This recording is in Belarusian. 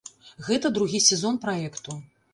Гэта другі сезон праекту.